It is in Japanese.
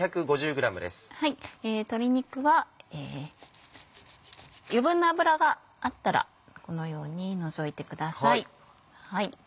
鶏肉は余分な脂があったらこのように除いてください。